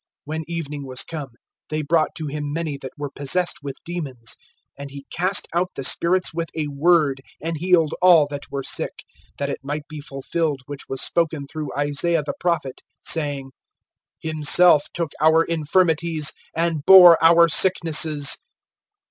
(16)When evening was come, they brought to him many that were possessed with demons; and he cast out the spirits with a word, and healed all that were sick; (17)that it might be fulfilled which was spoken through Isaiah the prophet, saying: Himself took our infirmities, and bore our sicknesses.